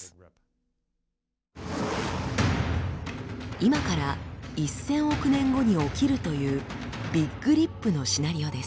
今から１，０００億年後に起きるというビッグリップのシナリオです。